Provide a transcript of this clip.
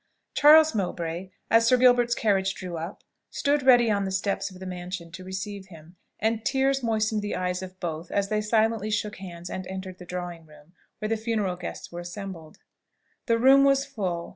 Charles Mowbray, as Sir Gilbert's carriage drew up, stood ready on the steps of the mansion to receive him; and tears moistened the eyes of both as they silently shook hands and entered the drawing room, where the funeral guests were assembled. The room was full.